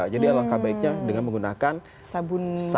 jadi langkah baiknya dengan menggunakan sabun biasa saja